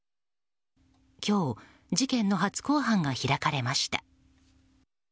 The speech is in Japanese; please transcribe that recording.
今日、事件の初公判が開かれました。